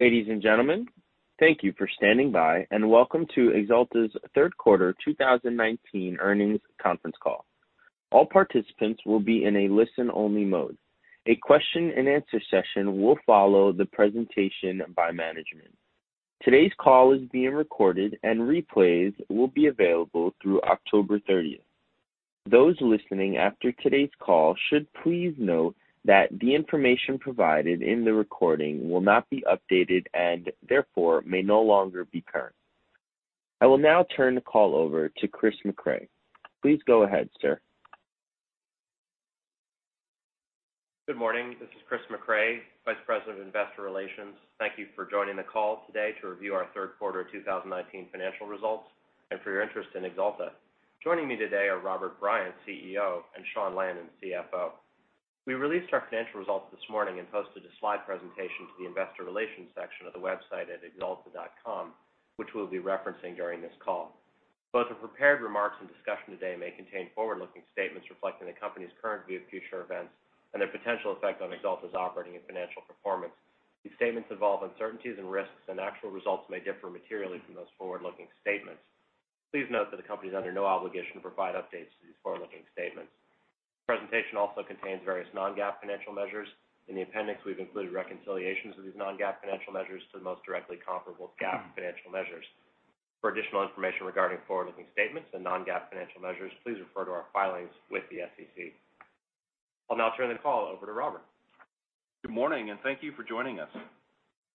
Ladies and gentlemen, thank you for standing by, and welcome to Axalta's third quarter 2019 earnings conference call. All participants will be in a listen-only mode. A question and answer session will follow the presentation by management. Today's call is being recorded, and replays will be available through October 30th. Those listening after today's call should please note that the information provided in the recording will not be updated and therefore may no longer be current. I will now turn the call over to Christopher McCray. Please go ahead, sir. Good morning. This is Christopher McCray, Vice President of Investor Relations. Thank you for joining the call today to review our third quarter 2019 financial results and for your interest in Axalta. Joining me today are Robert Bryant, CEO, and Sean Lannon, CFO. We released our financial results this morning and posted a slide presentation to the investor relations section of the website at axalta.com, which we'll be referencing during this call. Both the prepared remarks and discussion today may contain forward-looking statements reflecting the company's current view of future events and their potential effect on Axalta's operating and financial performance. These statements involve uncertainties and risks, and actual results may differ materially from those forward-looking statements. Please note that the company is under no obligation to provide updates to these forward-looking statements. The presentation also contains various non-GAAP financial measures. In the appendix, we've included reconciliations of these non-GAAP financial measures to the most directly comparable GAAP financial measures. For additional information regarding forward-looking statements and non-GAAP financial measures, please refer to our filings with the SEC. I'll now turn the call over to Robert. Good morning, and thank you for joining us.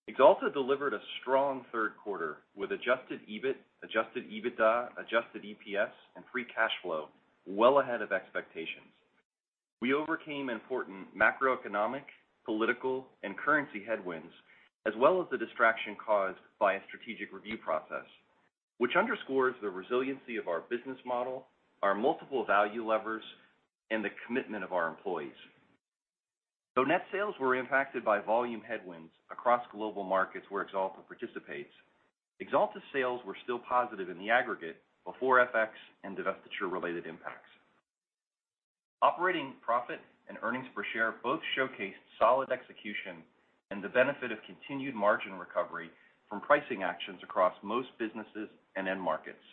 Axalta delivered a strong third quarter with adjusted EBIT, adjusted EBITDA, adjusted EPS, and free cash flow well ahead of expectations. We overcame important macroeconomic, political, and currency headwinds, as well as the distraction caused by a strategic review process, which underscores the resiliency of our business model, our multiple value levers, and the commitment of our employees. Net sales were impacted by volume headwinds across global markets where Axalta participates, Axalta sales were still positive in the aggregate before FX and divestiture-related impacts. Operating profit and earnings per share both showcased solid execution and the benefit of continued margin recovery from pricing actions across most businesses and end markets,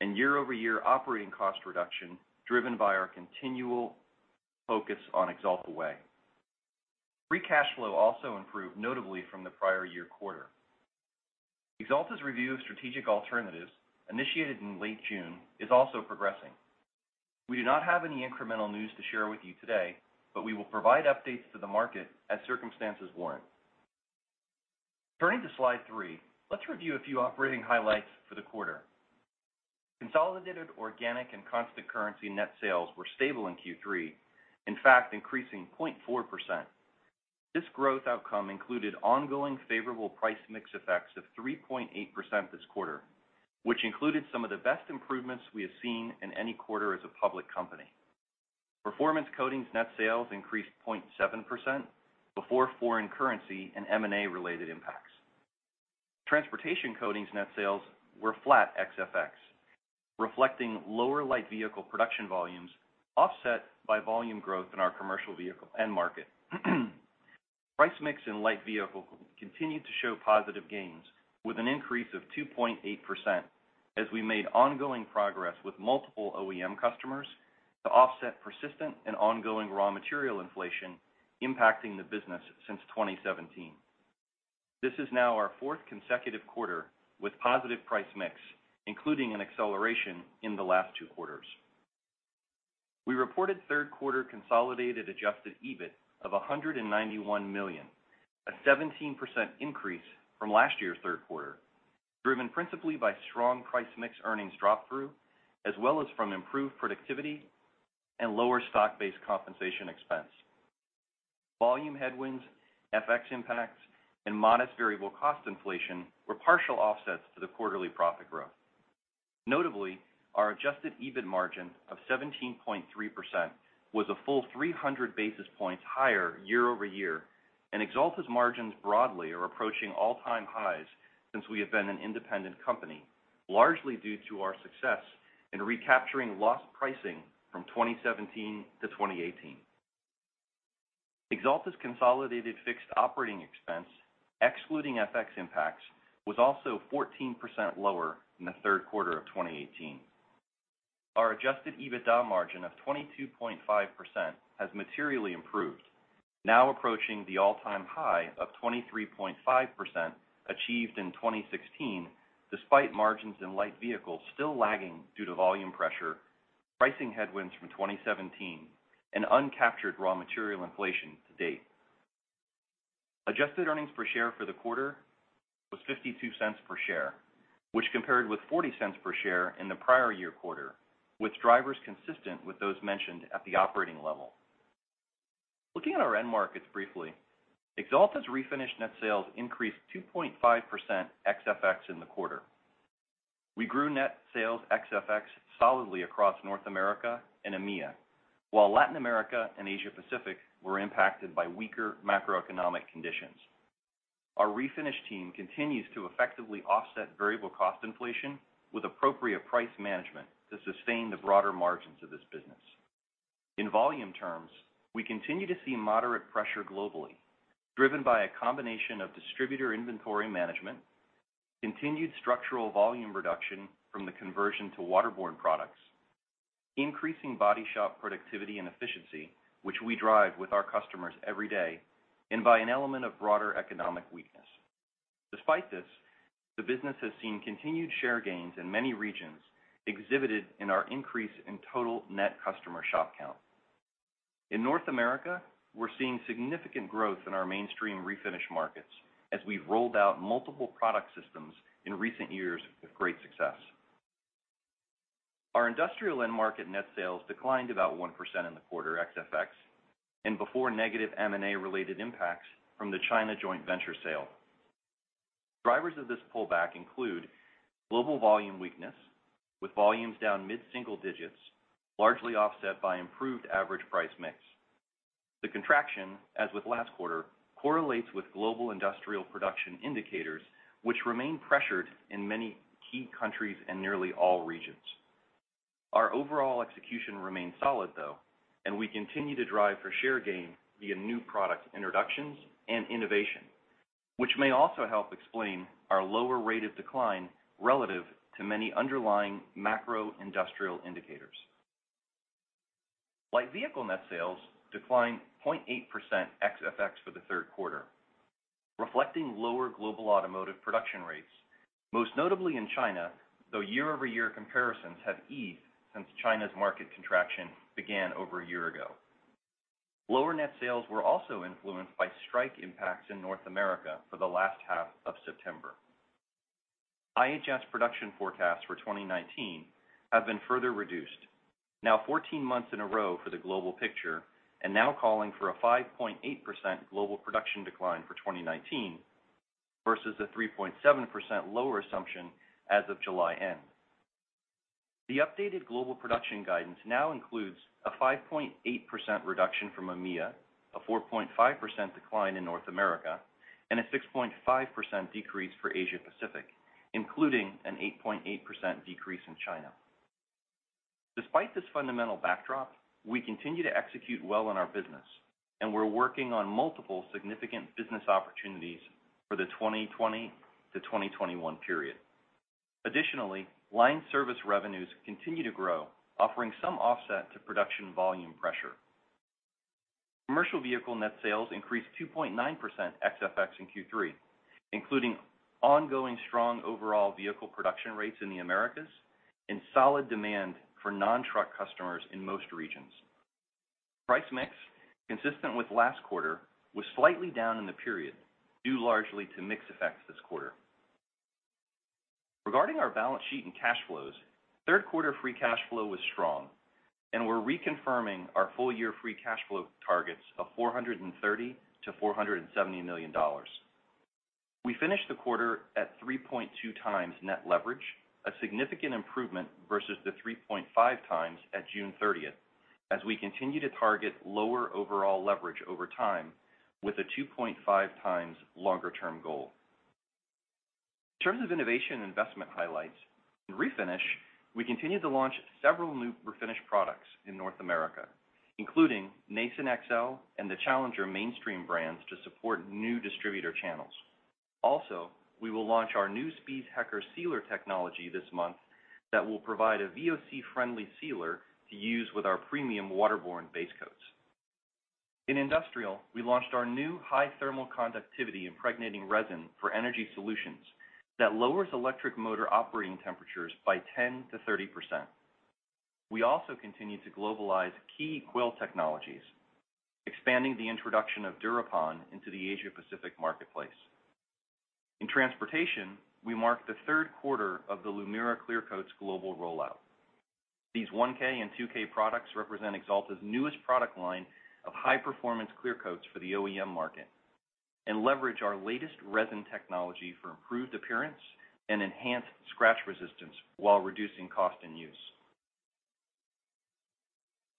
and year-over-year operating cost reduction driven by our continual focus on Axalta Way. Free cash flow also improved notably from the prior year quarter. Axalta's review of strategic alternatives, initiated in late June, is also progressing. We do not have any incremental news to share with you today, but we will provide updates to the market as circumstances warrant. Turning to slide three, let's review a few operating highlights for the quarter. Consolidated organic and constant currency net sales were stable in Q3, in fact, increasing 0.4%. This growth outcome included ongoing favorable price mix effects of 3.8% this quarter, which included some of the best improvements we have seen in any quarter as a public company. Performance Coatings net sales increased 0.7% before foreign currency and M&A related impacts. Transportation Coatings net sales were flat ex FX, reflecting lower light vehicle production volumes offset by volume growth in our commercial vehicle end market. Price mix in light vehicle continued to show positive gains with an increase of 2.8% as we made ongoing progress with multiple OEM customers to offset persistent and ongoing raw material inflation impacting the business since 2017. This is now our fourth consecutive quarter with positive price mix, including an acceleration in the last two quarters. We reported third quarter consolidated adjusted EBIT of $191 million, a 17% increase from last year's third quarter, driven principally by strong price mix earnings drop-through, as well as from improved productivity and lower stock-based compensation expense. Volume headwinds, FX impacts, and modest variable cost inflation were partial offsets to the quarterly profit growth. Notably, our adjusted EBIT margin of 17.3% was a full 300 basis points higher year-over-year, and Axalta's margins broadly are approaching all-time highs since we have been an independent company, largely due to our success in recapturing lost pricing from 2017 to 2018. Axalta's consolidated fixed operating expense, excluding FX impacts, was also 14% lower than the third quarter of 2018. Our adjusted EBITDA margin of 22.5% has materially improved, now approaching the all-time high of 23.5% achieved in 2016, despite margins in light vehicles still lagging due to volume pressure, pricing headwinds from 2017, and uncaptured raw material inflation to date. Adjusted earnings per share for the quarter was $0.52 per share, which compared with $0.40 per share in the prior year quarter, with drivers consistent with those mentioned at the operating level. Looking at our end markets briefly, Axalta's Refinish net sales increased 2.5% ex FX in the quarter. We grew net sales ex FX solidly across North America and EMEIA, while Latin America and Asia Pacific were impacted by weaker macroeconomic conditions. Our Refinish team continues to effectively offset variable cost inflation with appropriate price management to sustain the broader margins of this business. In volume terms, we continue to see moderate pressure globally, driven by a combination of distributor inventory management, continued structural volume reduction from the conversion to waterborne products, increasing body shop productivity and efficiency, which we drive with our customers every day, and by an element of broader economic weakness. Despite this, the business has seen continued share gains in many regions, exhibited in our increase in total net customer shop count. In North America, we're seeing significant growth in our mainstream refinish markets as we've rolled out multiple product systems in recent years with great success. Our industrial end market net sales declined about 1% in the quarter ex FX, and before negative M&A-related impacts from the China joint venture sale. Drivers of this pullback include global volume weakness, with volumes down mid-single digits, largely offset by improved average price mix. The contraction, as with last quarter, correlates with global industrial production indicators, which remain pressured in many key countries and nearly all regions. Our overall execution remains solid, though, and we continue to drive for share gain via new product introductions and innovation, which may also help explain our lower rate of decline relative to many underlying macro industrial indicators. Light vehicle net sales declined 0.8% ex FX for the third quarter, reflecting lower global automotive production rates, most notably in China, though year-over-year comparisons have eased since China's market contraction began over one year ago. Lower net sales were also influenced by strike impacts in North America for the last half of September. IHS production forecasts for 2019 have been further reduced, now 14 months in a row for the global picture, now calling for a 5.8% global production decline for 2019 versus a 3.7% lower assumption as of July end. The updated global production guidance now includes a 5.8% reduction from EMEA, a 4.5% decline in North America, and a 6.5% decrease for Asia Pacific, including an 8.8% decrease in China. Despite this fundamental backdrop, we continue to execute well in our business, and we're working on multiple significant business opportunities for the 2020 to 2021 period. Additionally, line service revenues continue to grow, offering some offset to production volume pressure. Commercial vehicle net sales increased 2.9% ex FX in Q3, including ongoing strong overall vehicle production rates in the Americas and solid demand for non-truck customers in most regions. Price mix, consistent with last quarter, was slightly down in the period, due largely to mix effects this quarter. Regarding our balance sheet and cash flows, third quarter free cash flow was strong, and we're reconfirming our full year free cash flow targets of $430 million-$470 million. We finished the quarter at 3.2 times net leverage, a significant improvement versus the 3.5 times at June 30th, as we continue to target lower overall leverage over time with a 2.5 times longer-term goal. In terms of innovation investment highlights, in Refinish, we continued to launch several new refinish products in North America, including Nason XL and the Challenger mainstream brands to support new distributor channels. We will launch our new Spies Hecker sealer technology this month that will provide a VOC-friendly sealer to use with our premium waterborne base coats. In Industrial, we launched our new high thermal conductivity impregnating resin for energy solutions that lowers electric motor operating temperatures by 10%-30%. We also continue to globalize key coil technologies, expanding the introduction of Durapon into the Asia-Pacific marketplace. In Transportation, we marked the third quarter of the Lumeera clear coats global rollout. These 1K and 2K products represent Axalta's newest product line of high-performance clear coats for the OEM market and leverage our latest resin technology for improved appearance and enhanced scratch resistance while reducing cost and use.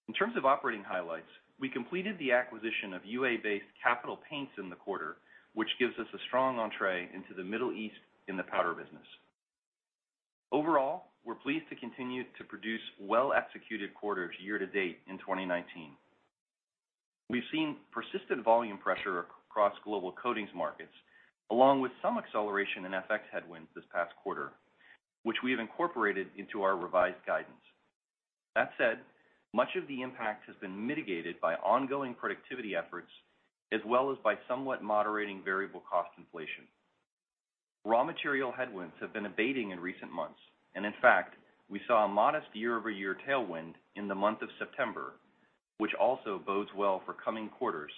In terms of operating highlights, we completed the acquisition of UAE-based Capital Paints in the quarter, which gives us a strong entree into the Middle East in the powder business. Overall, we're pleased to continue to produce well-executed quarters year to date in 2019. We've seen persistent volume pressure across global coatings markets, along with some acceleration in FX headwinds this past quarter, which we have incorporated into our revised guidance. That said, much of the impact has been mitigated by ongoing productivity efforts, as well as by somewhat moderating variable cost inflation. Raw material headwinds have been abating in recent months, and in fact, we saw a modest year-over-year tailwind in the month of September, which also bodes well for coming quarters,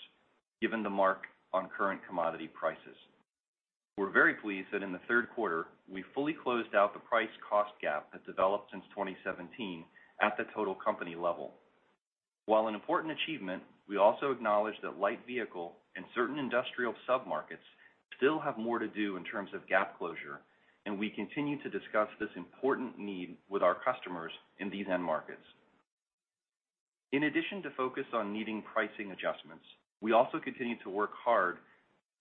given the mark on current commodity prices. We're very pleased that in the third quarter, we fully closed out the price cost gap that developed since 2017 at the total company level. While an important achievement, we also acknowledge that light vehicle and certain industrial sub-markets still have more to do in terms of gap closure, and we continue to discuss this important need with our customers in these end markets. In addition to focus on needing pricing adjustments, we also continue to work hard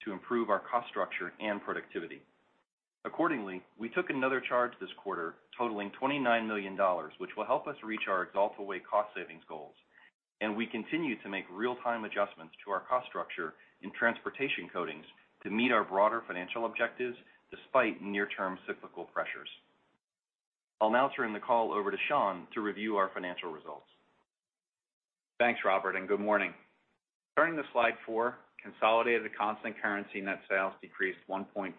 to improve our cost structure and productivity. Accordingly, we took another charge this quarter totaling $29 million, which will help us reach our Axalta Way cost savings goals. We continue to make real-time adjustments to our cost structure in Transportation Coatings to meet our broader financial objectives, despite near-term cyclical pressures. I'll now turn the call over to Sean to review our financial results. Thanks, Robert, and good morning. Turning to slide four, consolidated constant currency net sales decreased 1.4%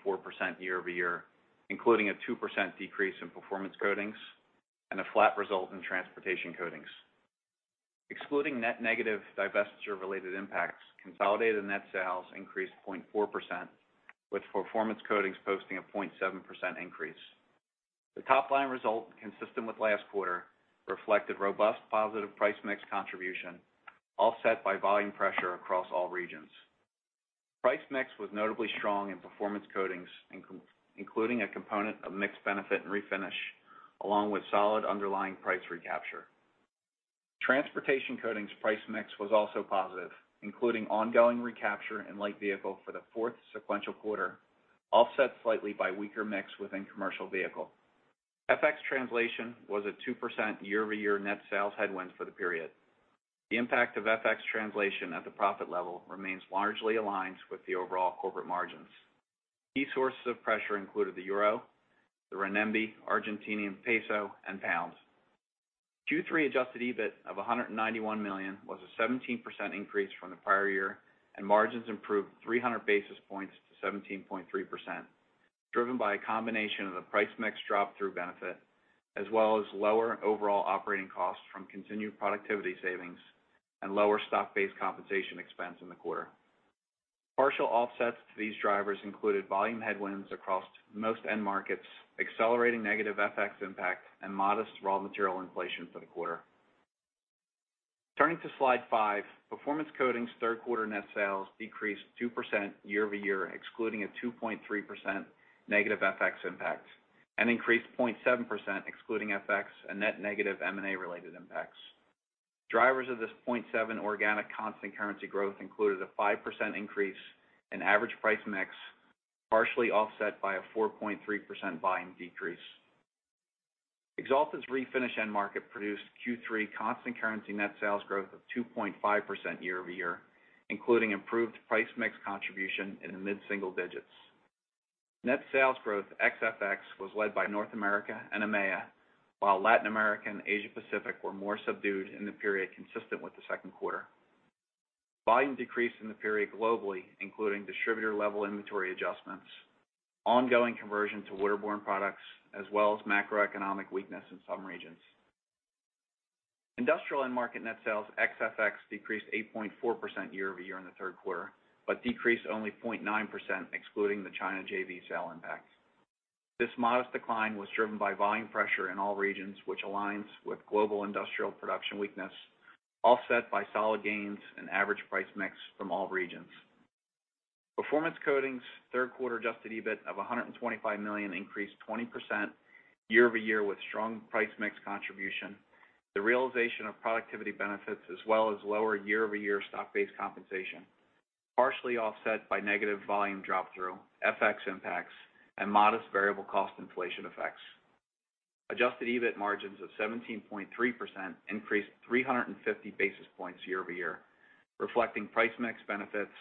year-over-year, including a 2% decrease in Performance Coatings and a flat result in Transportation Coatings. Excluding net negative divestiture-related impacts, consolidated net sales increased 0.4%, with Performance Coatings posting a 0.7% increase. The top-line result, consistent with last quarter, reflected robust positive price mix contribution, offset by volume pressure across all regions. Price mix was notably strong in Performance Coatings, including a component of mixed benefit and refinish, along with solid underlying price recapture. Transportation Coatings price mix was also positive, including ongoing recapture and light vehicle for the fourth sequential quarter, offset slightly by weaker mix within commercial vehicle. FX translation was a 2% year-over-year net sales headwind for the period. The impact of FX translation at the profit level remains largely aligned with the overall corporate margins. Key sources of pressure included the euro, the renminbi, Argentinian peso, and pound. Q3 adjusted EBIT of $191 million was a 17% increase from the prior year, and margins improved 300 basis points to 17.3%, driven by a combination of the price mix drop through benefit, as well as lower overall operating costs from continued productivity savings and lower stock-based compensation expense in the quarter. Partial offsets to these drivers included volume headwinds across most end markets, accelerating negative FX impact, and modest raw material inflation for the quarter. Turning to slide five, Performance Coatings third quarter net sales decreased 2% year-over-year, excluding a 2.3% negative FX impact, and increased 0.7% excluding FX and net negative M&A related impacts. Drivers of this 0.7% organic constant currency growth included a 5% increase in average price mix, partially offset by a 4.3% volume decrease. Axalta's refinish end market produced Q3 constant currency net sales growth of 2.5% year-over-year, including improved price mix contribution in the mid-single digits. Net sales growth ex FX was led by North America and EMEA, while Latin America and Asia Pacific were more subdued in the period consistent with the second quarter. Volume decreased in the period globally, including distributor level inventory adjustments, ongoing conversion to waterborne products, as well as macroeconomic weakness in some regions. Industrial end market net sales ex FX decreased 8.4% year-over-year in the third quarter, but decreased only 0.9% excluding the China JV sale impact. This modest decline was driven by volume pressure in all regions, which aligns with global industrial production weakness, offset by solid gains and average price mix from all regions. Performance Coatings third quarter adjusted EBIT of $125 million increased 20% year-over-year with strong price mix contribution, the realization of productivity benefits, as well as lower year-over-year stock-based compensation, partially offset by negative volume drop through, FX impacts, and modest variable cost inflation effects. Adjusted EBIT margins of 17.3% increased 350 basis points year-over-year, reflecting price mix benefits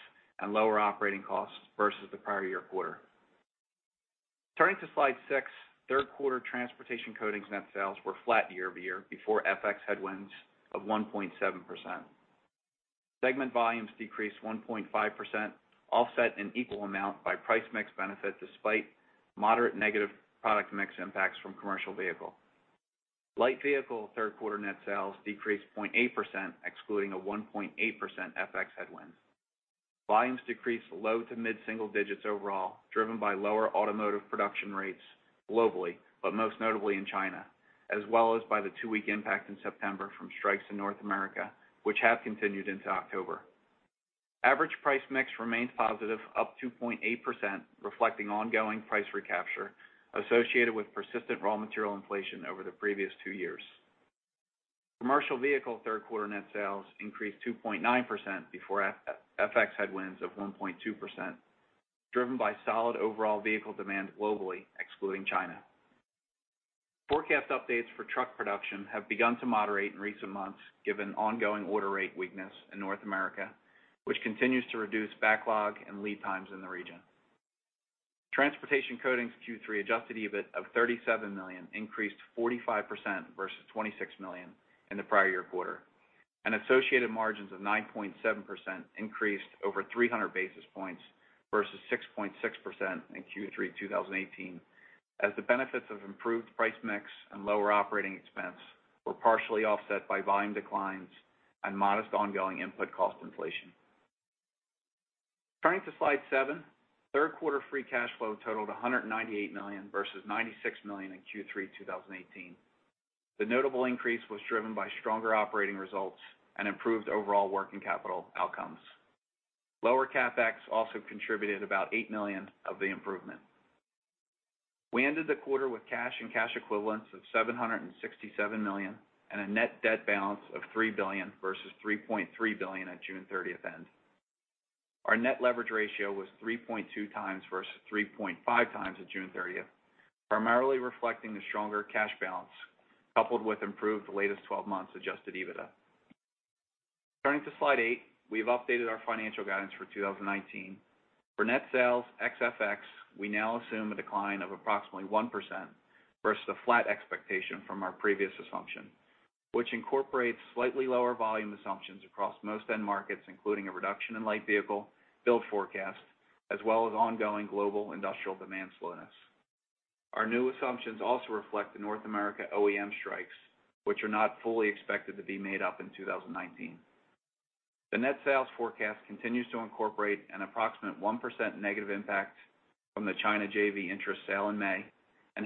and lower operating costs versus the prior year quarter. Turning to slide six, third quarter Transportation Coatings net sales were flat year-over-year before FX headwinds of 1.7%. Segment volumes decreased 1.5%, offset an equal amount by price mix benefit despite moderate negative product mix impacts from commercial vehicle. Light vehicle third quarter net sales decreased 0.8%, excluding a 1.8% FX headwind. Volumes decreased low to mid-single digits overall, driven by lower automotive production rates globally, but most notably in China, as well as by the two-week impact in September from strikes in North America, which have continued into October. Average price mix remained positive, up 2.8%, reflecting ongoing price recapture associated with persistent raw material inflation over the previous two years. Commercial vehicle third quarter net sales increased 2.9% before FX headwinds of 1.2%, driven by solid overall vehicle demand globally excluding China. Forecast updates for truck production have begun to moderate in recent months given ongoing order rate weakness in North America, which continues to reduce backlog and lead times in the region. Transportation Coatings Q3 adjusted EBIT of $37 million increased 45% versus $26 million in the prior year quarter, and associated margins of 9.7% increased over 300 basis points versus 6.6% in Q3 2018, as the benefits of improved price mix and lower operating expense were partially offset by volume declines and modest ongoing input cost inflation. Turning to slide seven, third quarter free cash flow totaled $198 million versus $96 million in Q3 2018. The notable increase was driven by stronger operating results and improved overall working capital outcomes. Lower CapEx also contributed about $8 million of the improvement. We ended the quarter with cash and cash equivalents of $767 million and a net debt balance of $3 billion versus $3.3 billion at June 30th end. Our net leverage ratio was 3.2 times versus 3.5 times at June 30th, primarily reflecting the stronger cash balance, coupled with improved latest 12 months adjusted EBITDA. Turning to slide eight, we've updated our financial guidance for 2019. For net sales ex FX, we now assume a decline of approximately 1% versus the flat expectation from our previous assumption, which incorporates slightly lower volume assumptions across most end markets, including a reduction in light vehicle build forecast, as well as ongoing global industrial demand slowness. Our new assumptions also reflect the North America OEM strikes, which are not fully expected to be made up in 2019. The net sales forecast continues to incorporate an approximate 1% negative impact from the China JV interest sale in May,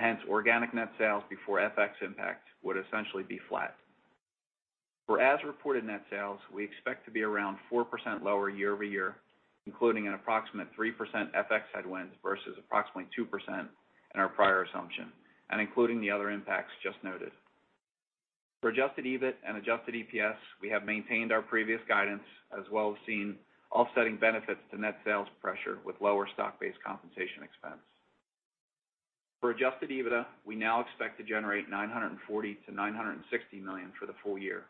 hence organic net sales before FX impact would essentially be flat. For as-reported net sales, we expect to be around 4% lower year-over-year, including an approximate 3% FX headwinds versus approximately 2% in our prior assumption, including the other impacts just noted. For adjusted EBIT and adjusted EPS, we have maintained our previous guidance, as well as seen offsetting benefits to net sales pressure with lower stock-based compensation expense. For adjusted EBITDA, we now expect to generate $940 million-$960 million for the full year.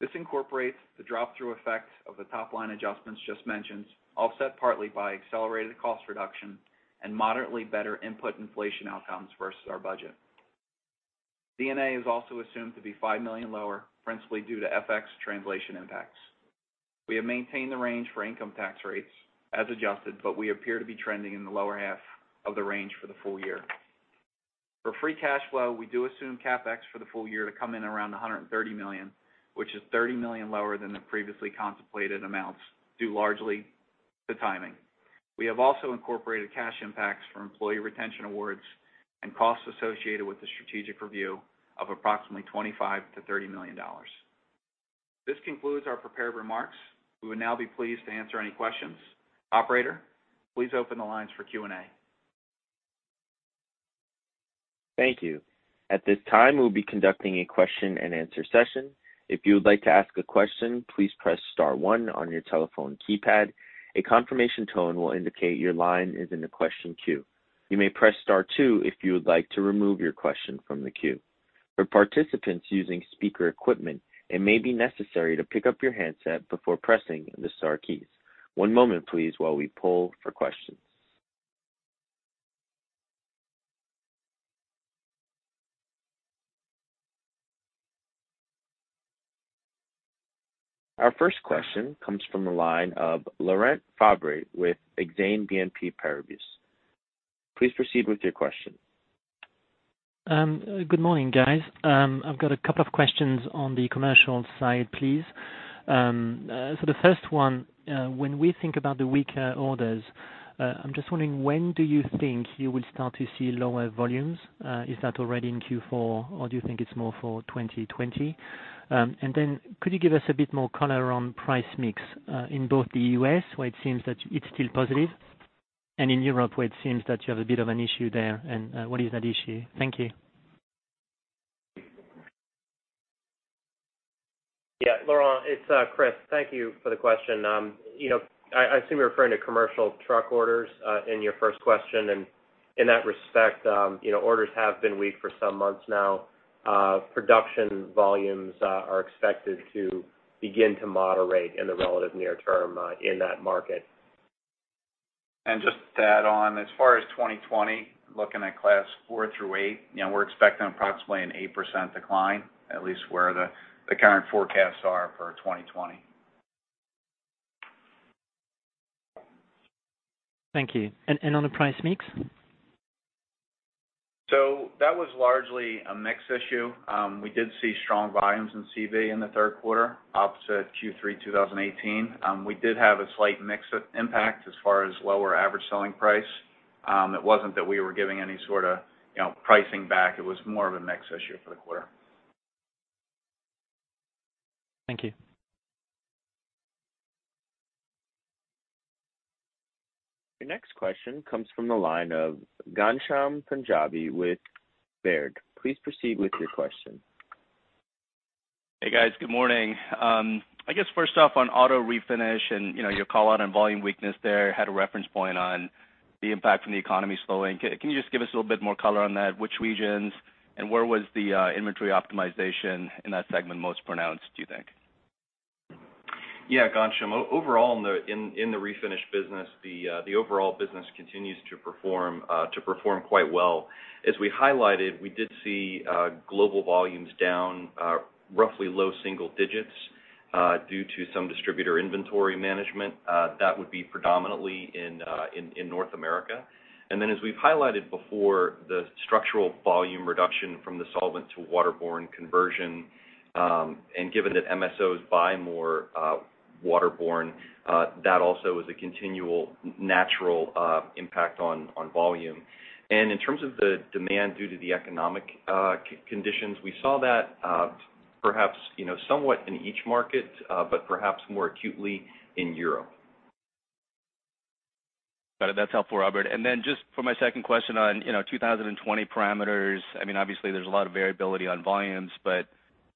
This incorporates the drop through effect of the top-line adjustments just mentioned, offset partly by accelerated cost reduction and moderately better input inflation outcomes versus our budget. D&A is also assumed to be $5 million lower, principally due to FX translation impacts. We have maintained the range for income tax rates as adjusted, but we appear to be trending in the lower half of the range for the full year. For free cash flow, we do assume CapEx for the full year to come in around $130 million, which is $30 million lower than the previously contemplated amounts, due largely to timing. We have also incorporated cash impacts from employee retention awards and costs associated with the strategic review of approximately $25 million-$30 million. This concludes our prepared remarks. We would now be pleased to answer any questions. Operator, please open the lines for Q&A. Thank you. At this time, we'll be conducting a question and answer session. If you would like to ask a question, please press star one on your telephone keypad. A confirmation tone will indicate your line is in the question queue. You may press star two if you would like to remove your question from the queue. For participants using speaker equipment, it may be necessary to pick up your handset before pressing the star keys. One moment, please, while we pull for questions. Our first question comes from the line of Laurent Favre with Exane BNP Paribas. Please proceed with your question. Good morning, guys. I've got a couple of questions on the commercial side, please. The first one, when we think about the weaker orders, I'm just wondering, when do you think you will start to see lower volumes? Is that already in Q4, or do you think it's more for 2020? Could you give us a bit more color on price mix in both the U.S., where it seems that it's still positive, and in Europe, where it seems that you have a bit of an issue there, and what is that issue? Thank you. Yeah, Laurent, it's Chris. Thank you for the question. In that respect, orders have been weak for some months now. Production volumes are expected to begin to moderate in the relative near term in that market. Just to add on, as far as 2020, looking at class 4 through 8, we're expecting approximately an 8% decline, at least where the current forecasts are for 2020. Thank you. On the price mix? That was largely a mix issue. We did see strong volumes in CV in the third quarter opposite Q3 2018. We did have a slight mix impact as far as lower average selling price. It wasn't that we were giving any sort of pricing back. It was more of a mix issue for the quarter. Thank you. Your next question comes from the line of Ghansham Panjabi with Baird. Please proceed with your question. Hey, guys. Good morning. I guess first off on auto refinish and your call out on volume weakness there, had a reference point on the impact from the economy slowing. Can you just give us a little bit more color on that? Which regions, and where was the inventory optimization in that segment most pronounced, do you think? Ghansham. Overall in the refinish business, the overall business continues to perform quite well. As we highlighted, we did see global volumes down roughly low single digits due to some distributor inventory management. That would be predominantly in North America. As we've highlighted before, the structural volume reduction from the solvent to waterborne conversion, and given that MSOs buy more waterborne, that also is a continual natural impact on volume. In terms of the demand due to the economic conditions, we saw that perhaps somewhat in each market, but perhaps more acutely in Europe. Got it. That's helpful, Robert. Then just for my second question on 2020 parameters, obviously there's a lot of variability on volumes, but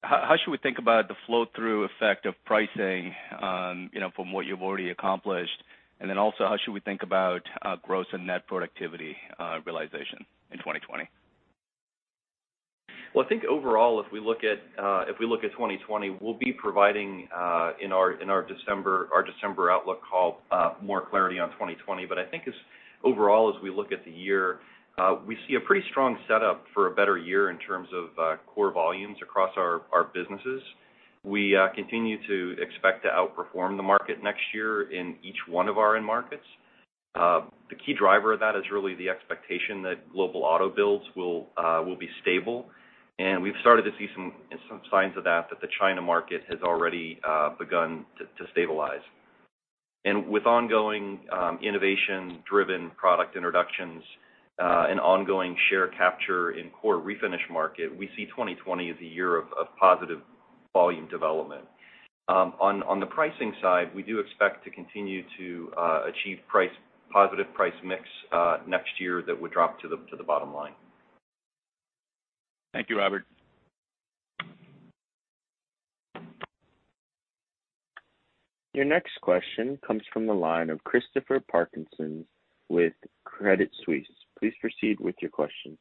how should we think about the flow-through effect of pricing from what you've already accomplished? And then also, how should we think about gross and net productivity realization in 2020? Well, I think overall, if we look at 2020, we'll be providing, in our December outlook call, more clarity on 2020. I think overall, as we look at the year, we see a pretty strong setup for a better year in terms of core volumes across our businesses. We continue to expect to outperform the market next year in each one of our end markets. The key driver of that is really the expectation that global auto builds will be stable, and we've started to see some signs of that the China market has already begun to stabilize. With ongoing innovation-driven product introductions and ongoing share capture in core refinish market, we see 2020 as a year of positive volume development. On the pricing side, we do expect to continue to achieve positive price mix next year that would drop to the bottom line. Thank you, Robert. Your next question comes from the line of Christopher Parkinson with Credit Suisse. Please proceed with your question.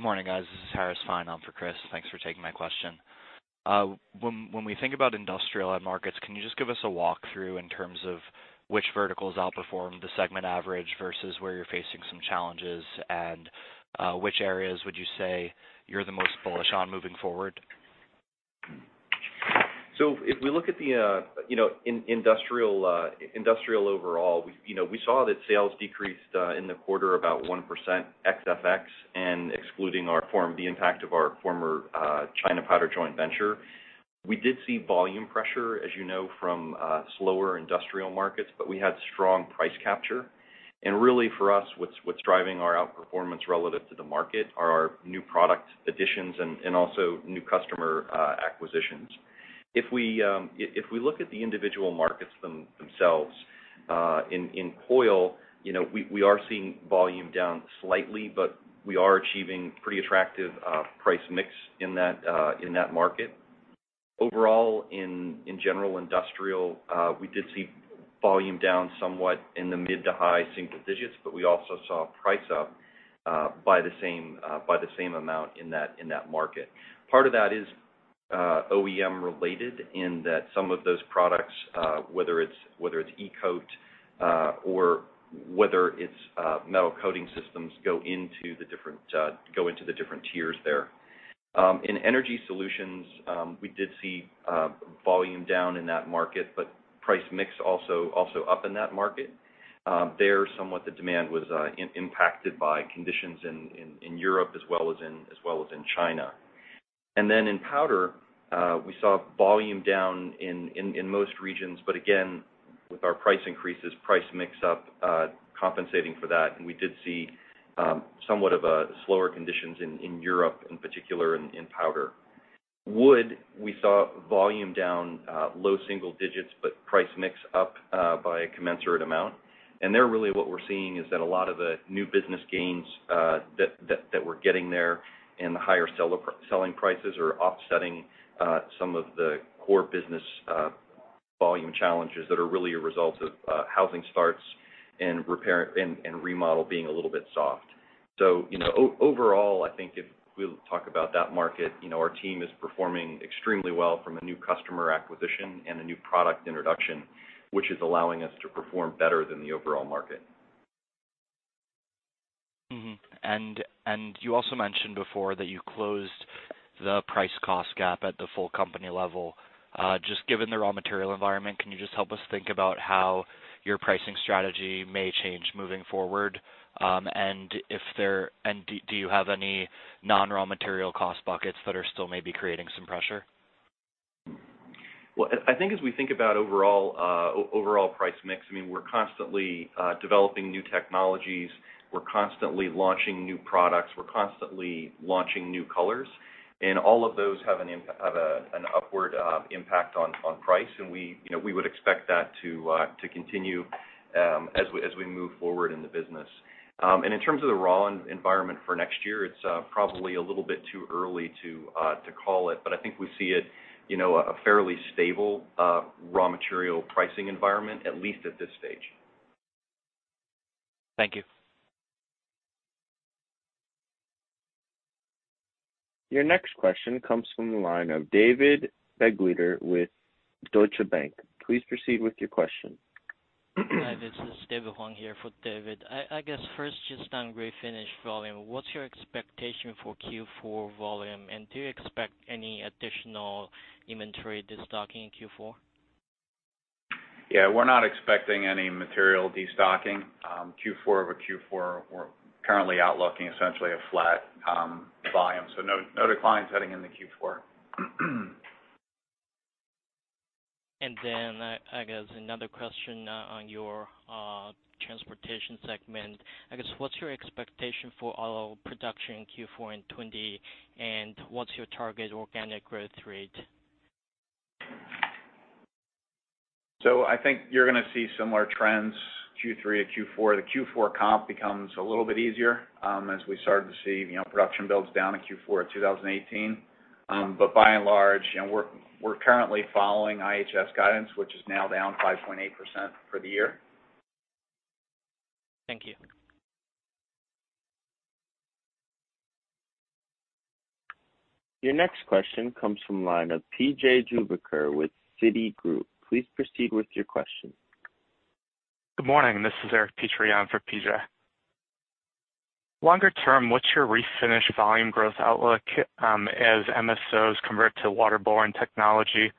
Morning, guys. This is Harris Fine on for Chris. Thanks for taking my question. When we think about industrial end markets, can you just give us a walkthrough in terms of which verticals outperformed the segment average versus where you're facing some challenges, and which areas would you say you're the most bullish on moving forward? If we look at industrial overall, we saw that sales decreased in the quarter about 1% ex FX and excluding the impact of our former China powder joint venture. We did see volume pressure, as you know, from slower industrial markets, but we had strong price capture. Really for us, what's driving our outperformance relative to the market are our new product additions and also new customer acquisitions. If we look at the individual markets themselves, in coil, we are seeing volume down slightly, but we are achieving pretty attractive price mix in that market. Overall, in general industrial, we did see volume down somewhat in the mid to high single digits, but we also saw price up by the same amount in that market. Part of that is OEM related in that some of those products, whether it's E-coat or whether it's metal coating systems, go into the different tiers there. In energy solutions, we did see volume down in that market, but price mix also up in that market. There, somewhat the demand was impacted by conditions in Europe as well as in China. In powder, we saw volume down in most regions, but again, with our price increases, price mix up compensating for that, and we did see somewhat of slower conditions in Europe, in particular in powder. Wood, we saw volume down low single digits, but price mix up by a commensurate amount. There, really what we're seeing is that a lot of the new business gains that we're getting there and the higher selling prices are offsetting some of the core business volume challenges that are really a result of housing starts and remodel being a little bit soft. Overall, I think if we talk about that market, our team is performing extremely well from a new customer acquisition and a new product introduction, which is allowing us to perform better than the overall market. Mm-hmm. You also mentioned before that you closed the price cost gap at the full company level. Just given the raw material environment, can you just help us think about how your pricing strategy may change moving forward? Do you have any non-raw material cost buckets that are still maybe creating some pressure? Well, I think as we think about overall price mix, we're constantly developing new technologies. We're constantly launching new products. We're constantly launching new colors, and all of those have an upward impact on price, and we would expect that to continue as we move forward in the business. In terms of the raw environment for next year, it's probably a little bit too early to call it, but I think we see it a fairly stable raw material pricing environment, at least at this stage. Thank you. Your next question comes from the line of David Begleiter with Deutsche Bank. Please proceed with your question. Hi, this is David Huang here for David. I guess first, just on refinish volume, what's your expectation for Q4 volume, and do you expect any additional inventory destocking in Q4? Yeah, we're not expecting any material destocking. Q4-over-Q4, we're currently outlooking essentially a flat volume. No decline heading into Q4. I guess another question on your Transportation Segment. I guess, what's your expectation for auto production in Q4 and 2020, and what's your target organic growth rate? I think you're going to see similar trends, Q3 or Q4. The Q4 comp becomes a little bit easier as we started to see production builds down in Q4 of 2018. By and large, we're currently following IHS guidance, which is now down 5.8% for the year. Thank you. Your next question comes from the line of P.J. Juvekar with Citigroup. Please proceed with your question. Good morning, this is Eric Petrie for PJ. Longer term, what's your refinish volume growth outlook as MSOs convert to waterborne technology,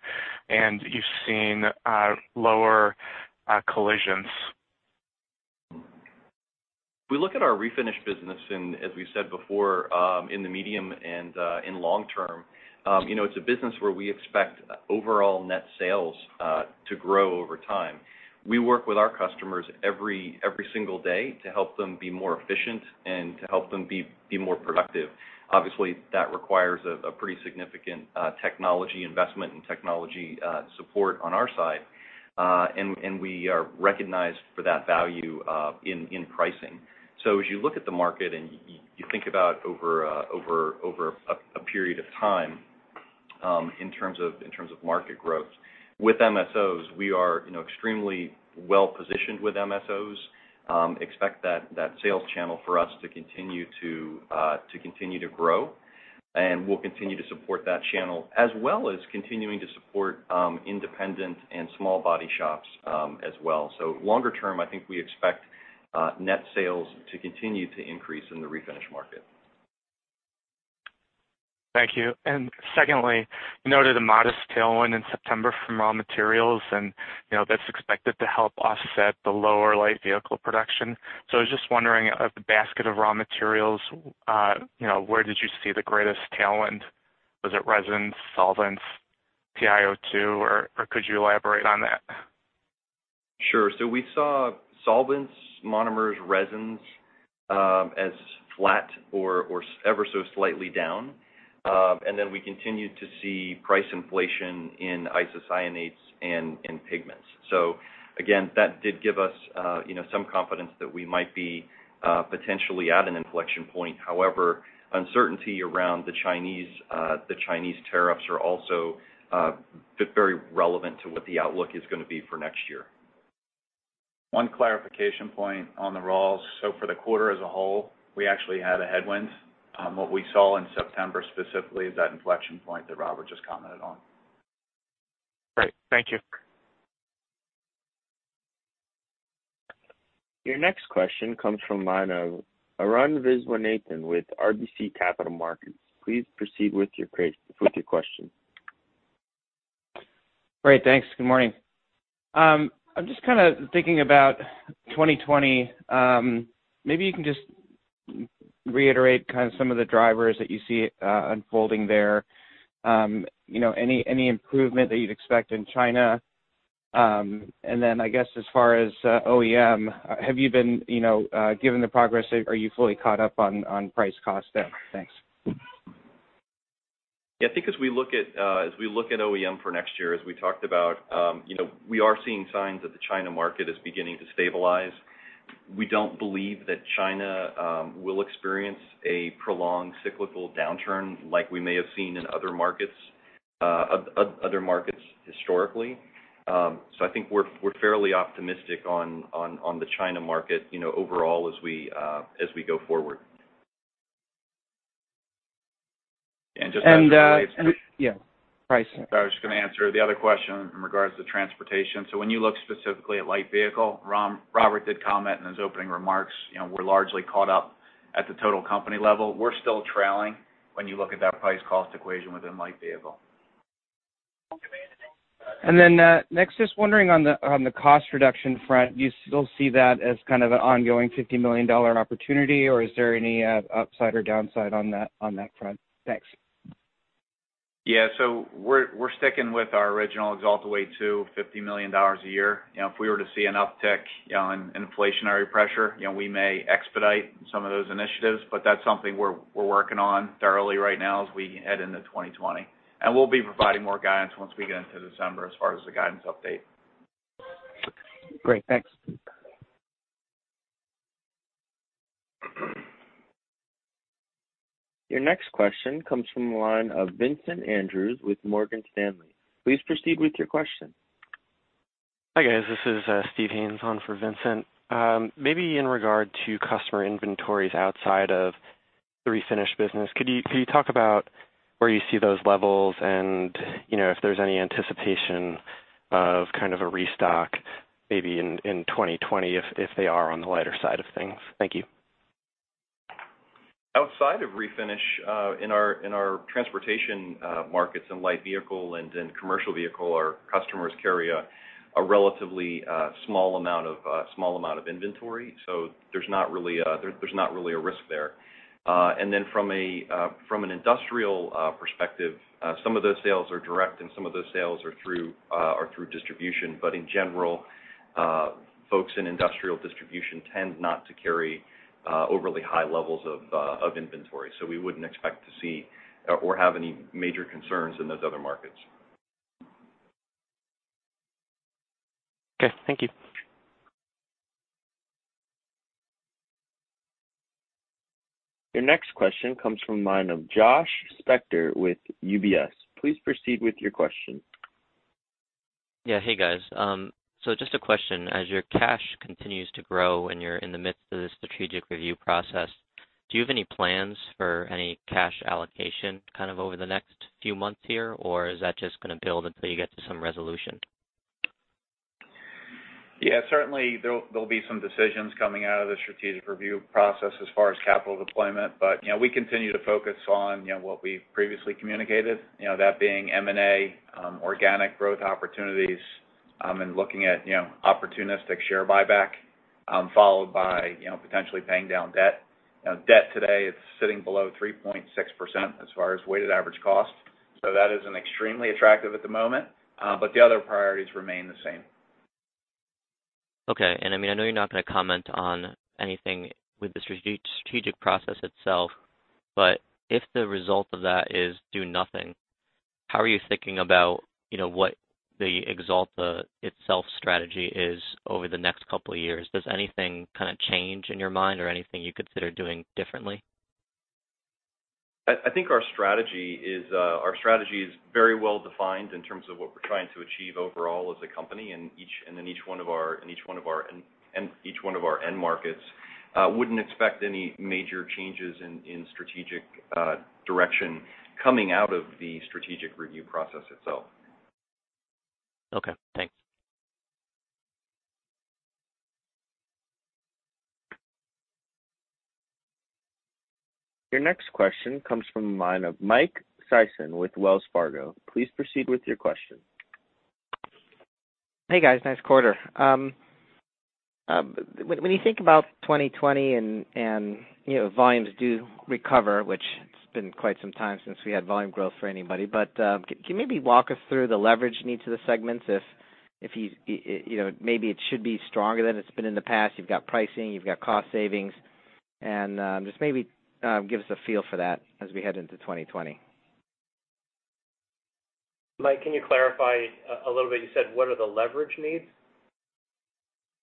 and you've seen lower collisions? We look at our refinish business and as we've said before, in the medium and in long term, it's a business where we expect overall net sales to grow over time. We work with our customers every single day to help them be more efficient and to help them be more productive. Obviously, that requires a pretty significant technology investment and technology support on our side. We are recognized for that value in pricing. As you look at the market, and you think about over a period of time, in terms of market growth. With MSOs, we are extremely well-positioned with MSOs, expect that sales channel for us to continue to grow, and we'll continue to support that channel, as well as continuing to support independent and small body shops as well. Longer term, I think we expect net sales to continue to increase in the refinish market. Thank you. Secondly, you noted a modest tailwind in September from raw materials, and that's expected to help offset the lower light vehicle production. I was just wondering, of the basket of raw materials, where did you see the greatest tailwind? Was it resins, solvents, TiO2, or could you elaborate on that? Sure. We saw solvents, monomers, resins as flat or ever so slightly down. We continued to see price inflation in isocyanates and in pigments. That did give us some confidence that we might be potentially at an inflection point. However, uncertainty around the Chinese tariffs are also very relevant to what the outlook is going to be for next year. One clarification point on the raws. For the quarter as a whole, we actually had a headwind. What we saw in September specifically is that inflection point that Robert just commented on. Great. Thank you. Your next question comes from the line of Arun Viswanathan with RBC Capital Markets. Please proceed with your question. Great, thanks. Good morning. I'm just kind of thinking about 2020. Maybe you can just reiterate some of the drivers that you see unfolding there. Any improvement that you'd expect in China? I guess as far as OEM, given the progress, are you fully caught up on price cost there? Thanks. Yeah, I think as we look at OEM for next year, as we talked about, we are seeing signs that the China market is beginning to stabilize. We don't believe that China will experience a prolonged cyclical downturn like we may have seen in other markets historically. I think we're fairly optimistic on the China market overall as we go forward. Just as it relates. yeah. Price. I was just going to answer the other question in regards to transportation. When you look specifically at light vehicle, Robert did comment in his opening remarks, we're largely caught up at the total company level. We're still trailing when you look at that price cost equation within light vehicle. Next, just wondering on the cost reduction front, do you still see that as kind of an ongoing $50 million opportunity, or is there any upside or downside on that front? Thanks. Yeah, we're sticking with our original Axalta Way II, $50 million a year. If we were to see an uptick in inflationary pressure, we may expedite some of those initiatives, but that's something we're working on thoroughly right now as we head into 2020. We'll be providing more guidance once we get into December as far as the guidance update. Great, thanks. Your next question comes from the line of Vincent Andrews with Morgan Stanley. Please proceed with your question. Hi, guys. This is Steve Haynes on for Vincent. Maybe in regard to customer inventories outside of the refinish business, could you talk about where you see those levels and if there's any anticipation of kind of a restock maybe in 2020 if they are on the lighter side of things? Thank you. Outside of refinish, in our transportation markets in light vehicle and in commercial vehicle, our customers carry a relatively small amount of inventory. There's not really a risk there. From an industrial perspective, some of those sales are direct, and some of those sales are through distribution. In general, folks in industrial distribution tend not to carry overly high levels of inventory. We wouldn't expect to see or have any major concerns in those other markets. Okay. Thank you. Your next question comes from the line of Joshua Spector with UBS. Please proceed with your question. Yeah. Hey, guys. Just a question. As your cash continues to grow and you're in the midst of this strategic review process, do you have any plans for any cash allocation over the next few months here? Or is that just going to build until you get to some resolution? Certainly there'll be some decisions coming out of the strategic review process as far as capital deployment. We continue to focus on what we previously communicated, that being M&A, organic growth opportunities, and looking at opportunistic share buyback, followed by potentially paying down debt. Debt today, it's sitting below 3.6% as far as weighted average cost. That isn't extremely attractive at the moment, but the other priorities remain the same. Okay. I know you're not going to comment on anything with the strategic process itself, but if the result of that is do nothing, how are you thinking about what the Axalta itself strategy is over the next couple of years? Does anything change in your mind or anything you consider doing differently? I think our strategy is very well-defined in terms of what we're trying to achieve overall as a company and in each one of our end markets. Wouldn't expect any major changes in strategic direction coming out of the strategic review process itself. Okay, thanks. Your next question comes from the line of Michael Sison with Wells Fargo. Please proceed with your question. Hey, guys. Nice quarter. Volumes do recover, which it's been quite some time since we had volume growth for anybody. Can you maybe walk us through the leverage needs of the segments if maybe it should be stronger than it's been in the past. You've got pricing, you've got cost savings. Just maybe give us a feel for that as we head into 2020. Mike, can you clarify a little bit? You said, what are the leverage needs?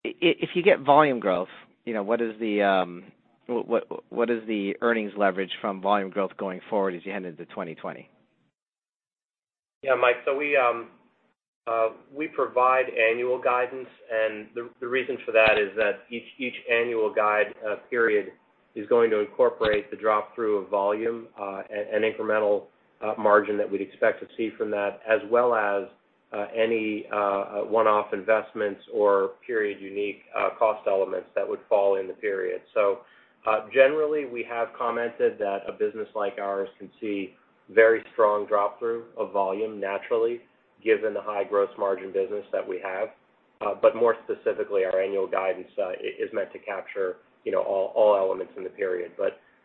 If you get volume growth, what is the earnings leverage from volume growth going forward as you head into 2020? Yeah, Mike, we provide annual guidance, and the reason for that is that each annual guide period is going to incorporate the drop through of volume, and incremental margin that we'd expect to see from that, as well as any one-off investments or period unique cost elements that would fall in the period. Generally, we have commented that a business like ours can see very strong drop-through of volume naturally, given the high gross margin business that we have. More specifically, our annual guidance is meant to capture all elements in the period.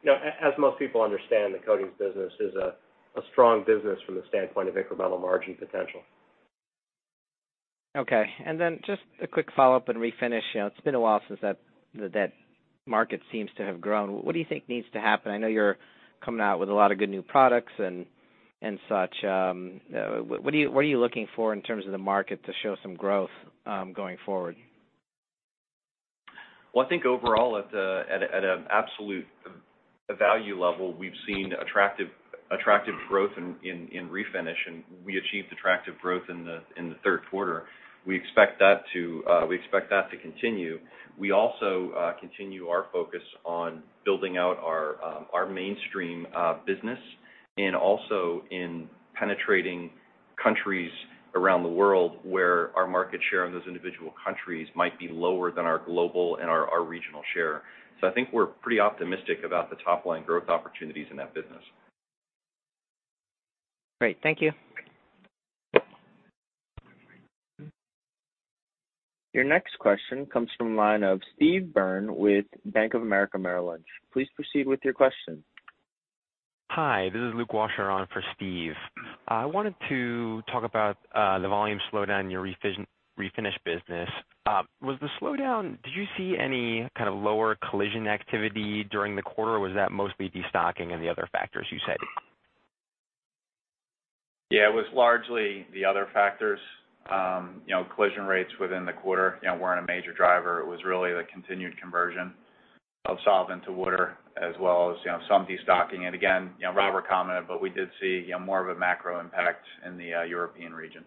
As most people understand, the coatings business is a strong business from the standpoint of incremental margin potential. Okay. Just a quick follow-up in refinish. It's been a while since that market seems to have grown. What do you think needs to happen? I know you're coming out with a lot of good new products and such. What are you looking for in terms of the market to show some growth going forward? Well, I think overall at an absolute value level, we've seen attractive growth in Refinish, and we achieved attractive growth in the third quarter. We expect that to continue. We also continue our focus on building out our mainstream business, and also in penetrating countries around the world where our market share in those individual countries might be lower than our global and our regional share. I think we're pretty optimistic about the top-line growth opportunities in that business. Great. Thank you. Your next question comes from the line of Steve Byrne with Bank of America Merrill Lynch. Please proceed with your question. Hi, this is Lucas Washer on for Steve. Did you see any kind of lower collision activity during the quarter, or was that mostly destocking and the other factors you said? Yeah, it was largely the other factors. Collision rates within the quarter weren't a major driver. It was really the continued conversion of solvent to water, as well as some destocking. Again, Robert commented, but we did see more of a macro impact in the European region.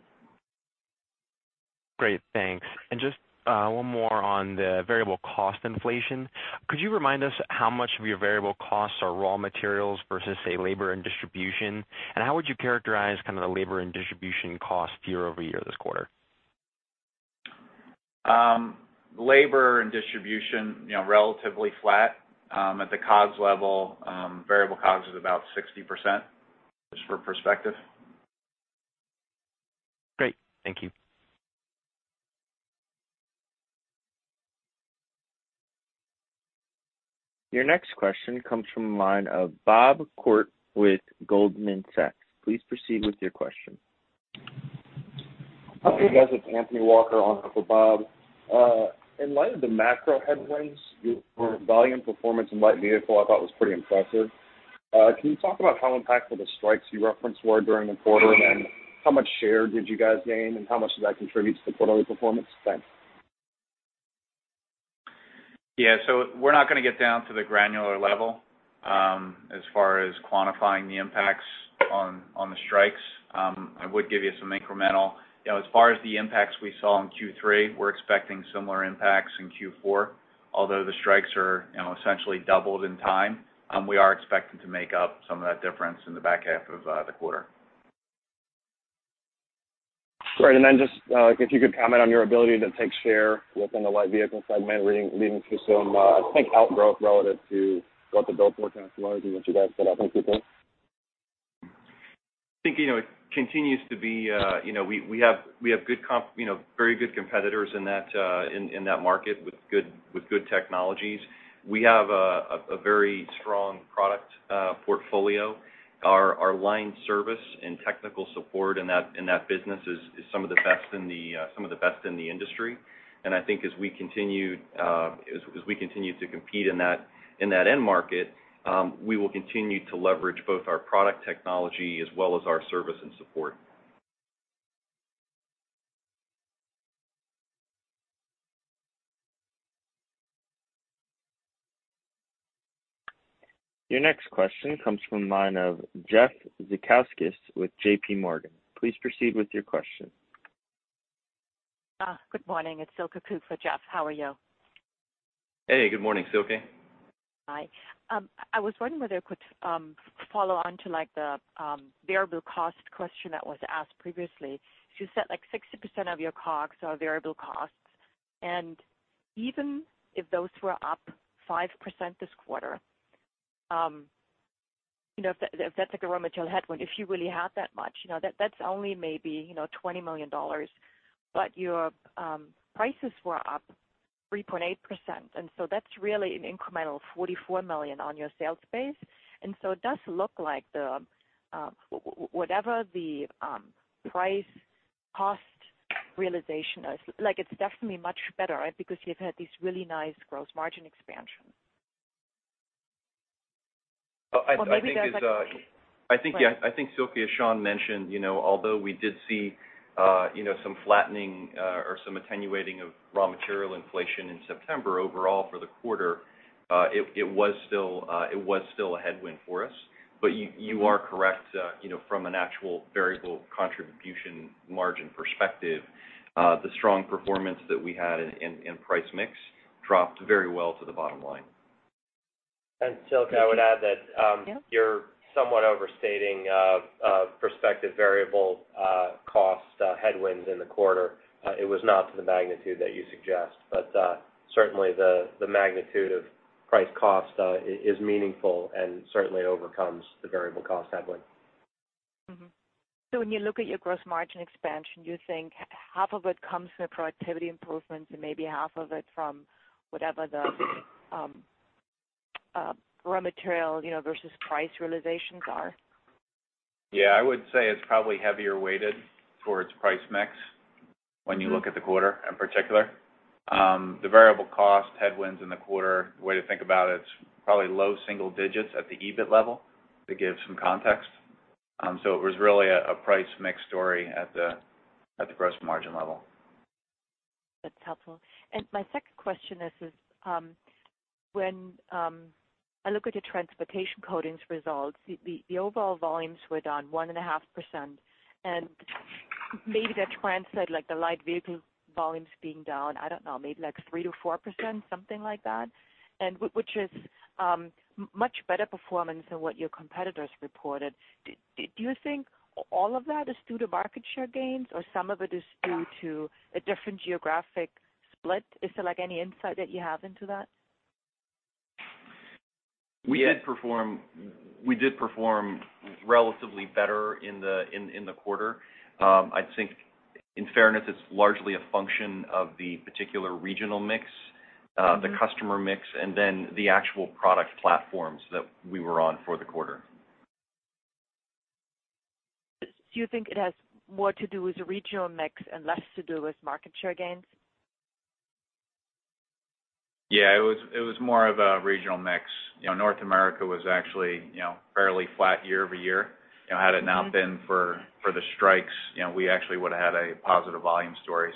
Great. Thanks. Just one more on the variable cost inflation. Could you remind us how much of your variable costs are raw materials versus, say, labor and distribution? How would you characterize kind of the labor and distribution cost year-over-year this quarter? Labor and distribution, relatively flat. At the COGS level, variable COGS is about 60%, just for perspective. Great. Thank you. Your next question comes from the line of Bob Koort with Goldman Sachs. Please proceed with your question. Hey, guys. It's Anthony Walker on for Bob. In light of the macro headwinds, your volume performance in Light Vehicle, I thought was pretty impressive. Can you talk about how impactful the strikes you referenced were during the quarter, and how much share did you guys gain, and how much does that contribute to the quarterly performance? Thanks. Yeah. We're not going to get down to the granular level as far as quantifying the impacts on the strikes. I would give you some incremental. As far as the impacts we saw in Q3, we're expecting similar impacts in Q4. Although the strikes are essentially doubled in time, we are expecting to make up some of that difference in the back half of the quarter. Great. Then just if you could comment on your ability to take share within the light vehicle segment, leading to some, I think, outgrowth relative to what the build forecast was and what you guys had anticipated. I think it continues to be. We have very good competitors in that market with good technologies. We have a very strong product portfolio. Our line service and technical support in that business is some of the best in the industry. I think as we continue to compete in that end market, we will continue to leverage both our product technology as well as our service and support. Your next question comes from the line of Jeffrey Zekauskas with JPMorgan. Please proceed with your question. Good morning. It's Silke Kuepfel, Jeff. How are you? Hey, good morning, Silke. Hi. I was wondering whether I could follow on to the variable cost question that was asked previously. You said 60% of your costs are variable costs, and even if those were up 5% this quarter, if that's a raw material headwind, if you really had that much, that's only maybe $20 million. Your prices were up 3.8%, and so that's really an incremental $44 million on your sales base. It does look like whatever the price cost realization is, it's definitely much better because you've had these really nice gross margin expansions. I think, Silke, as Sean mentioned, although we did see some flattening or some attenuating of raw material inflation in September overall for the quarter, it was still a headwind for us. You are correct, from an actual variable contribution margin perspective, the strong performance that we had in price mix dropped very well to the bottom line. Silke, I would add that you're somewhat overstating prospective variable cost headwinds in the quarter. It was not to the magnitude that you suggest. Certainly, the magnitude of price cost is meaningful and certainly overcomes the variable cost headwind. When you look at your gross margin expansion, do you think half of it comes from productivity improvements and maybe half of it from whatever the raw material versus price realizations are? Yeah, I would say it's probably heavier weighted towards price mix when you look at the quarter in particular. The variable cost headwinds in the quarter, the way to think about it's probably low single digits at the EBIT level to give some context. It was really a price mix story at the gross margin level. That's helpful. My second question is, when I look at your Transportation Coatings results, the overall volumes were down 1.5%, maybe that trend said like the light vehicle volumes being down, I don't know, maybe like 3%-4%, something like that, which is much better performance than what your competitors reported. Do you think all of that is due to market share gains or some of it is due to a different geographic split? Is there any insight that you have into that? We did perform relatively better in the quarter. I think in fairness, it's largely a function of the particular regional mix, the customer mix, and then the actual product platforms that we were on for the quarter. Do you think it has more to do with the regional mix and less to do with market share gains? It was more of a regional mix. North America was actually fairly flat year-over-year. Had it not been for the strikes, we actually would've had a positive volume story.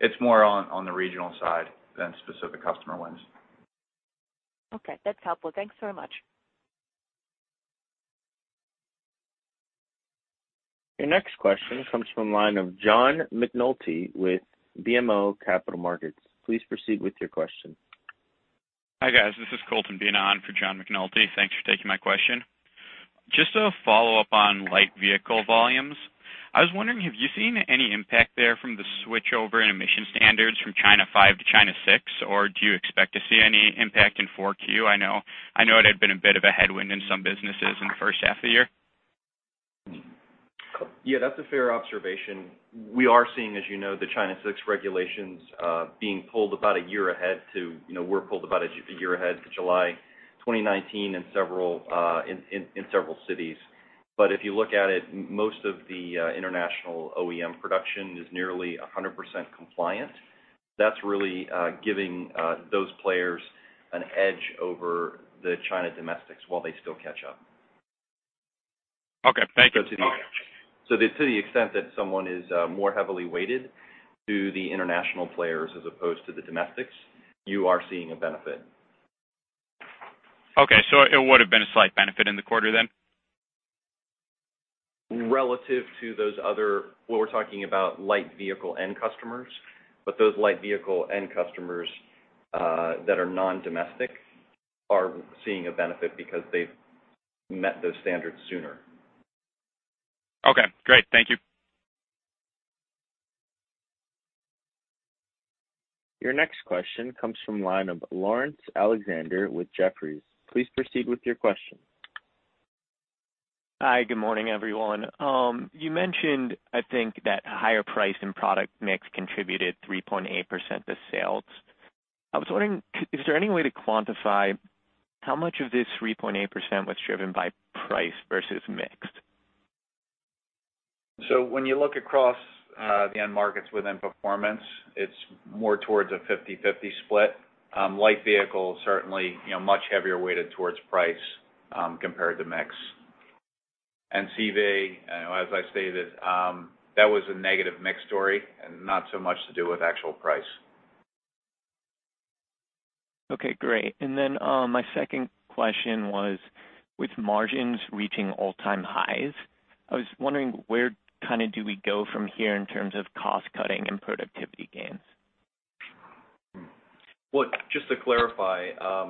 It's more on the regional side than specific customer wins. Okay. That's helpful. Thanks very much. Your next question comes from the line of John McNulty with BMO Capital Markets. Please proceed with your question. Hi, guys. This is Colton Bean on for John McNulty. Thanks for taking my question. Just a follow-up on light vehicle volumes. I was wondering, have you seen any impact there from the switchover in emission standards from China 5 to China 6, or do you expect to see any impact in 4Q? I know it had been a bit of a headwind in some businesses in the first half of the year. Yeah, that's a fair observation. We are seeing, as you know, the China 6 regulations being pulled about one year ahead to July 2019 in several cities. If you look at it, most of the international OEM production is nearly 100% compliant. That's really giving those players an edge over the China domestics while they still catch up. Okay, thank you. To the extent that someone is more heavily weighted to the international players as opposed to the domestics, you are seeing a benefit. Okay. It would've been a slight benefit in the quarter then? Relative to those other, what we're talking about light vehicle end customers. Those light vehicle end customers that are non-domestic are seeing a benefit because they've met those standards sooner. Okay, great. Thank you. Your next question comes from the line of Laurence Alexander with Jefferies. Please proceed with your question. Hi, good morning, everyone. You mentioned, I think, that higher price and product mix contributed 3.8% to sales. I was wondering, is there any way to quantify how much of this 3.8% was driven by price versus mix? When you look across the end markets within Performance Coatings, it's more towards a 50/50 split. Light vehicles certainly much heavier weighted towards price, compared to mix. CV, as I stated, that was a negative mix story and not so much to do with actual price. Okay, great. My second question was, with margins reaching all-time highs, I was wondering where do we go from here in terms of cost-cutting and productivity gains? Just to clarify, I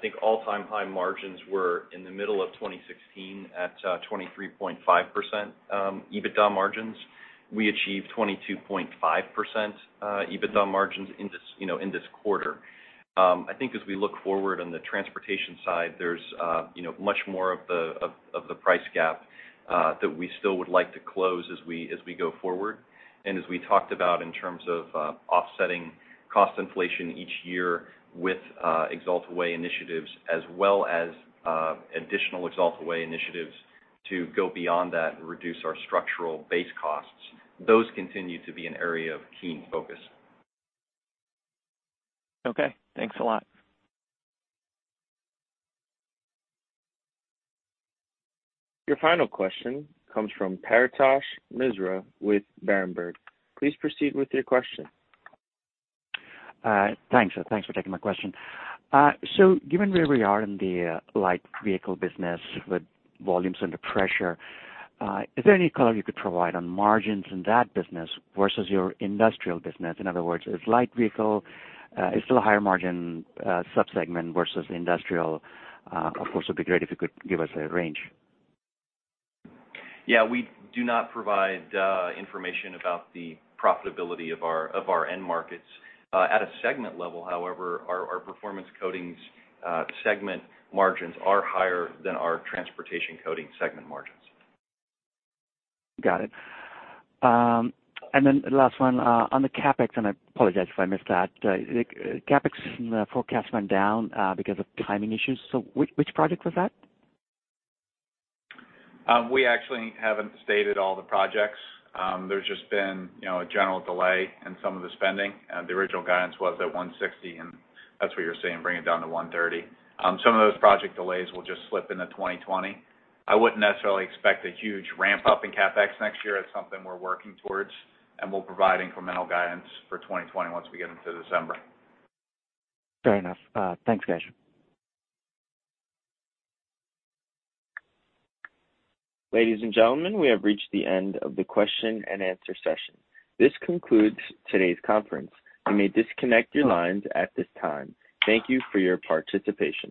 think all-time high margins were in the middle of 2016 at 23.5% EBITDA margins. We achieved 22.5% EBITDA margins in this quarter. I think as we look forward on the transportation side, there's much more of the price gap that we still would like to close as we go forward. As we talked about in terms of offsetting cost inflation each year with Axalta Way initiatives, as well as additional Axalta Way initiatives to go beyond that and reduce our structural base costs. Those continue to be an area of keen focus. Okay, thanks a lot. Your final question comes from Paretosh Misra with Berenberg. Please proceed with your question. Thanks for taking my question. Given where we are in the light vehicle business with volumes under pressure, is there any color you could provide on margins in that business versus your industrial business? In other words, is light vehicle still a higher margin sub-segment versus industrial? Of course, it would be great if you could give us a range. Yeah, we do not provide information about the profitability of our end markets. At a segment level, however, our Performance Coatings segment margins are higher than our Transportation Coatings segment margins. Got it. Last one, on the CapEx, and I apologize if I missed that. CapEx forecast went down because of timing issues, so which project was that? We actually haven't stated all the projects. There's just been a general delay in some of the spending. The original guidance was at $160, and that's where you're seeing, bring it down to $130. Some of those project delays will just slip into 2020. I wouldn't necessarily expect a huge ramp-up in CapEx next year. It's something we're working towards, and we'll provide incremental guidance for 2020 once we get into December. Fair enough. Thanks, guys. Ladies and gentlemen, we have reached the end of the question and answer session. This concludes today's conference. You may disconnect your lines at this time. Thank you for your participation.